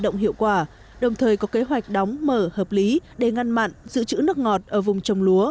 động hiệu quả đồng thời có kế hoạch đóng mở hợp lý để ngăn mặn giữ chữ nước ngọt ở vùng trồng lúa